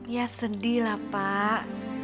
ya sedih lah pak